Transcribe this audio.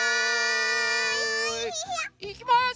いきます。